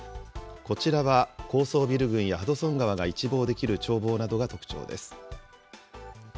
こちらは高層ビル群やハドソン川が一望できる眺望などが特徴です。